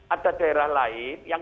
ada daerah lain yang